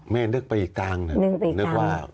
แม่นึกไปอีกทางนะครับนึกว่านึกอีกทาง